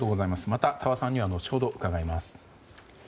また、峠さんには後ほど伺います。